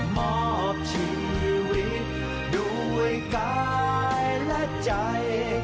มอบชีวิตด้วยกายและใจ